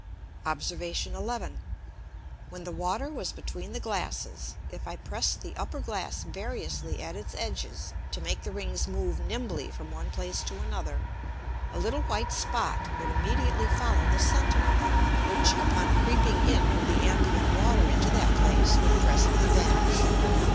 Obs. 11. When the Water was between the Glasses, if I pressed the upper Glass variously at its edges to make the Rings move nimbly from one place to another, a little white Spot would immediately follow the center of them, which upon creeping in of the ambient Water into that place would presently vanish.